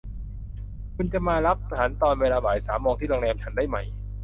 คุณจะมารับฉันตอนเวลาบ่ายสามที่โรงแรมฉันได้ไหม